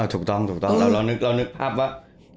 อ่ะถูกต้องเรานึกภาพว่า